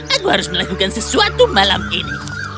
aku harus melakukan sesuatu malam ini